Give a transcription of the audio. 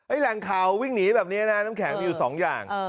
แหล่งข่าววิ่งหนีแบบนี้นะน้ำแข็งมีอยู่สองอย่าง